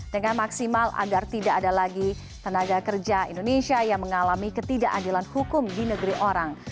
dengan maksimal agar tidak ada lagi tenaga kerja indonesia yang mengalami ketidakadilan hukum di negeri orang